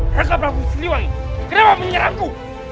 raja prabu siliwangi kenapa menyerangku